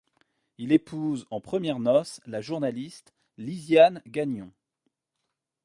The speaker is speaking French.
Il épouse en premières noces la journaliste Lysiane Gagnon.